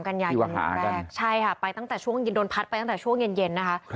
กันยายนวันแรกใช่ค่ะไปตั้งแต่ช่วงโดนพัดไปตั้งแต่ช่วงเย็นนะคะ